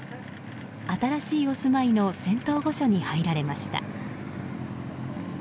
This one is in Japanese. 新しいお住まいの仙洞御所に入られました。